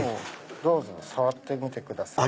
どうぞ触ってみてください。